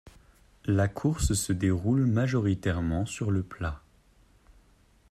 La course se déroule majoritairement sur le plat.